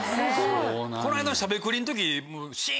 この間の『しゃべくり』の時。